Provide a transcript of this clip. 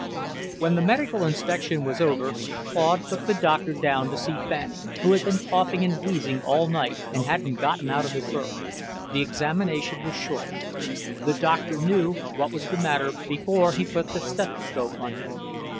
When the medical inspection was over, Claude took the Doctor down to see Fanning, who had been coughing and wheezing all night and hadn't got out of his berth. The examination was short. The Doctor knew what was the matter before he put the stethoscope on him.